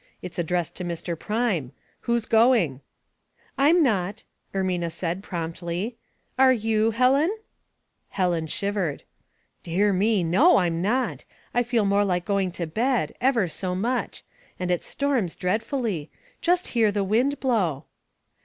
It's addressed to Mr. Prime. Who's going ?"" Tm not," Ermina said, promptly, " are you^ Helen ?" Helen shivered. " Dear me ! no, I'm not. I feel more like going to bed — ever so much ; and it storms dreadfully. Just hear the wind blow."